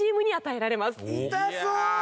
痛そう！